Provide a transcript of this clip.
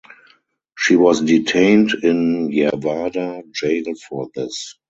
She was detained in Yerwada Jail for this.